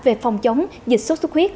về phòng chống dịch sốt sốt khuyết